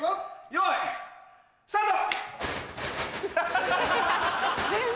よいスタート！